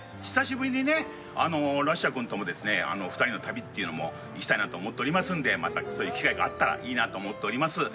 久しぶりにね、ラッシャー君ともですね、２人の旅というのも行きたいなと思っておりますんでまたそういう機会があったらいいなと思っております。